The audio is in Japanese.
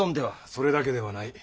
それだけではない。